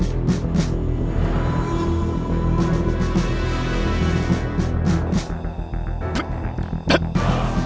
kauan surfacesu t